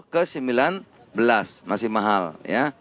ke sembilan belas masih mahal ya